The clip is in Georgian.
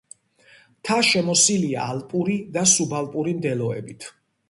მთა შემოსილია ალპური და სუბალპური მდელოებით.